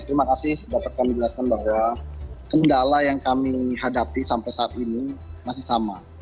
terima kasih dapat kami jelaskan bahwa kendala yang kami hadapi sampai saat ini masih sama